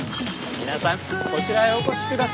皆さんこちらへお越しください。